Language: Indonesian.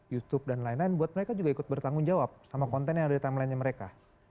youtube dan lain lain buat mereka juga ikut bertanggung jawab sama konten yang ada di timeline nya mereka